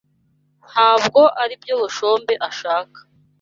Ntabwo aribyo Bushombe ashaka.